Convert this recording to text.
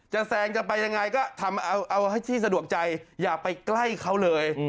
แซงจะไปยังไงก็ทำเอาให้ที่สะดวกใจอย่าไปใกล้เขาเลย